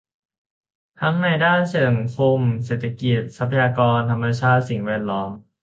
ทั้งในด้านสังคมเศรษฐกิจ ทรัพยากรธรรมชาติ สิ่งแวดล้อม